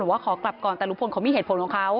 ว่าขอกลับก่อนแต่ลุงพลเขามีเหตุผลของเขา